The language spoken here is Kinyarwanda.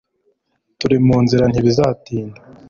turi mu nzira; ntibizatinda